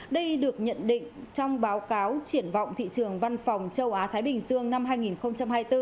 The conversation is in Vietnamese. đây được nhận định trong báo cáo triển vọng thị trường văn phòng châu á thái bình dương năm hai nghìn hai mươi bốn